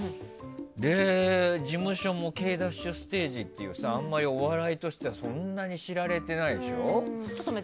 で、事務所もケイダッシュステージっていうあまりお笑いとしてはそんなに知られてないでしょ。